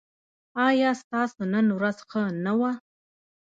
ایا ستاسو نن ورځ ښه نه وه؟